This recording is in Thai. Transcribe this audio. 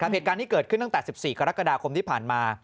เหตุการณ์นี้เกิดขึ้นตั้งแต่๑๔กรกฎาคมที่ผ่านมา